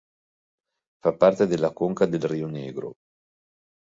Fa parte della conca del Río Negro.